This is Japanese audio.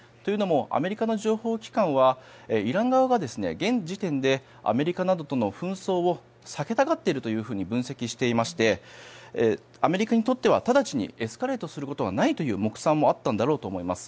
アメリカの情報機関はイラン側が現時点でアメリカなどとの紛争を避けたがっていると分析していましてアメリカにとっては直ちにエスカレートすることがないという目算もあったんだろうと思います。